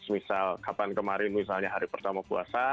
misal kapan kemarin misalnya hari pertama puasa